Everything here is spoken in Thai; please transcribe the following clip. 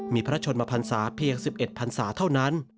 มีพระชนมพันศาเพียง๑๑พันศาเท่านั้น